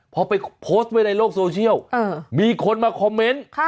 พอไปโพสต์ไว้ในโลกโซเชียลมีคนมาคอมเมนต์